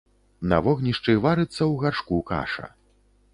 На вогнішчы варыцца ў гаршку каша.